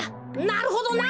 なるほどな！